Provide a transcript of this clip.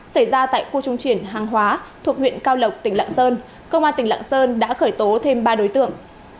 xảy ra tại khu trung chuyển hàng hóa thuộc huyện cao lộc tỉnh lạng sơn công an tỉnh lạng sơn đã khởi tố thêm ba đối tượng